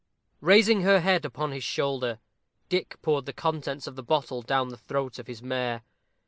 Raising her head upon his shoulder, Dick poured the contents of the bottle down the throat of his mare.